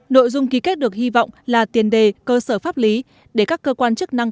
nội dung ký kết được hy vọng là tiền đề cơ sở pháp lý để các cơ quan chức năng